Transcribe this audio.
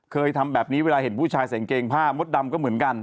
เคยทำแบบนี้เวลาเห็นผู้ชายใส่กางเกงผ้ามดดำก็เหมือนกัน